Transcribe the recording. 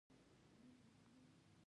خو د تېرې لانجې وروسته ډېر تاوسر شوی.